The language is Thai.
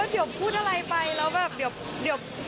อ่ามากแต่ว่าตัวลิต้าไม่รู้ว่าเดี๋ยวพูดอะไรไป